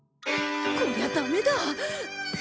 こりゃダメだ。